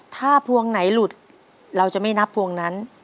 ถ้าพวงไหนหลุดเราจะไม่นับพวงนั้น